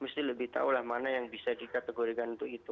mesti lebih tahu lah mana yang bisa dikategorikan untuk itu